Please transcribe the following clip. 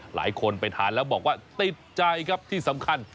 หลายคนไปทานแล้วบอกว่าติดใจครับที่สำคัญ